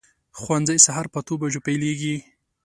ښوونځی سهار په اتو بجو پیلېږي.